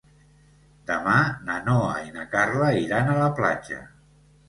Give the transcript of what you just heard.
Demà na Noa i na Carla iran a la platja.